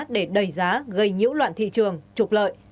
để đẩy giá gây nhiễu loạn thị trường trục lợi